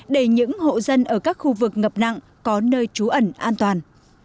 để những hộ dân ở các khu vực ngập nặng có nơi trú ẩn an toàn